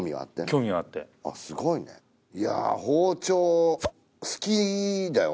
興味があってあっすごいねいや包丁好きだよ